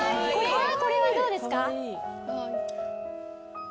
これはどうですか？